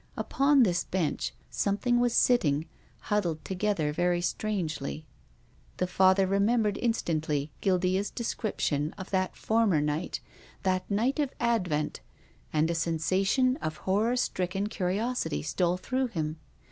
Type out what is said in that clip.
Upon this bench something was sitting, huddled together very strangely. The Father remembered instantly Guildca's de scription of that former night, that night of Ad vent, and a sensation of horror stricken curiosity stole through him.